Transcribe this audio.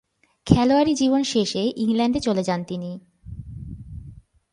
খেলোয়াড়ী জীবন শেষে ইংল্যান্ডে চলে যান তিনি।